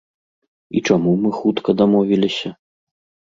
І чаму мы хутка дамовіліся?